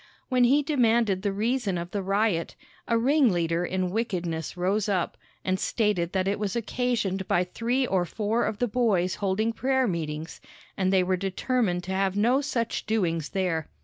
When he demanded the reason of the riot, a ringleader in wickedness rose up and stated that it was occasioned by three or four of the boys holding prayer meetings, and they were determined to have no such doings there.